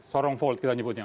sorong volt kita sebutnya